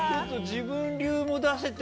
自分流も出せて。